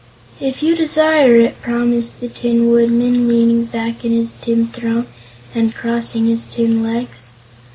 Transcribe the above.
"If you desire it," promised the Tin Woodman, leaning back in his tin throne and crossing his tin legs.